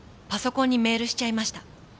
パソコンにメールしちゃいました。